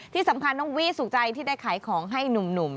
ที่สำคัญน้องวีสุขใจที่ได้ขายของให้หนุ่ม